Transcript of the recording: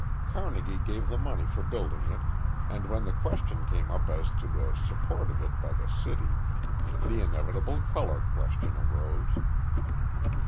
Carnegie gave the money for building it, and when the question came up as to the support of it by the city, the inevitable colour question arose.